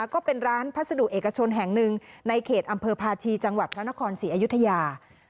ก็เป็นร้านพัสดุเอกชนแห่งหนึ่งในเขตอำเภอพาชีจังหวัดพระนครศรีอยุธยา